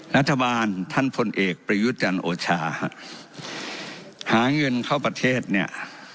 รัฐบาลท่านพลเอกประยุทธ์จันทร์โอชาหาเงินเข้าประเทศเนี่ย